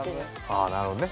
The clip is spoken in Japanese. ああなるほどね。